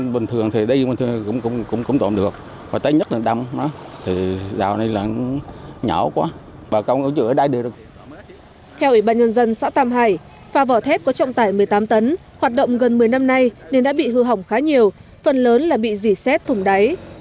từ khi chiếc phà vỏ thép tạm ngưng hoạt động để giải quyết nhu cầu đi lại của người dân xã tam hải phà vỏ thép có trọng tải một mươi tám tấn hoạt động gần một mươi năm nay nên đã bị hư hỏng khá nhiều phần lớn là bị dỉ xét thùng đáy